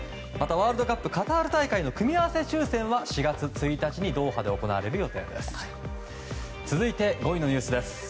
また、ワールドカップカタール大会の組み合わせ抽選は４月１日にドーハで行われる予定です。